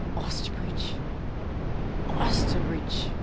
"Osterbridge! Osterbridge!"